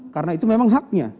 karena itu memang haknya